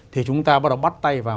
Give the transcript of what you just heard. thì chúng ta bắt đầu bắt tay vào